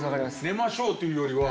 寝ましょう！というよりは。